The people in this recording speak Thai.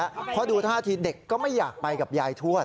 เพราะดูท่าทีเด็กก็ไม่อยากไปกับยายทวด